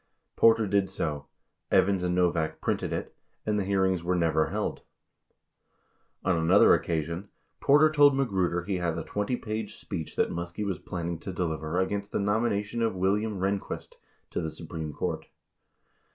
Porter did so, Evans and Novak printed it, and the hearings were never held." On another occasion, Porter told Magruder he had a 20 page speech that Muskie was planning to deliver against the nomination of Wil liam Rehnquist to the Supreme Court.